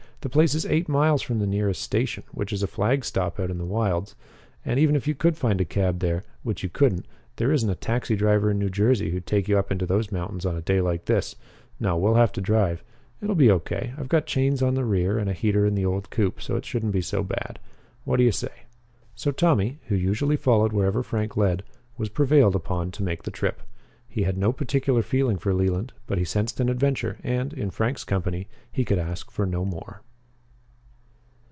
"The place is eight miles from the nearest station, which is a flag stop out in the wilds. And, even if you could find a cab there which you couldn't there isn't a taxi driver in Jersey who'd take you up into those mountains on a day like this. No, we'll have to drive. It'll be okay. I've got chains on the rear and a heater in the old coupe, so it shouldn't be so bad. What do you say?" So Tommy, who usually followed wherever Frank led, was prevailed upon to make the trip. He had no particular feeling for Leland, but he sensed an adventure, and, in Frank's company, he could ask for no more.